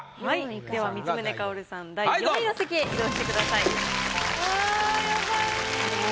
では光宗薫さん第４位の席へ移動してください。